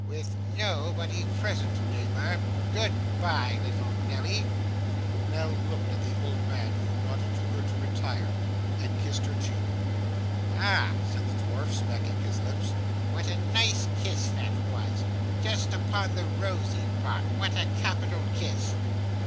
With nobody present, neighbour. Good bye, little Nelly.' Nell looked at the old man, who nodded to her to retire, and kissed her cheek. 'Ah!' said the dwarf, smacking his lips, 'what a nice kiss that was just upon the rosy part. What a capital kiss!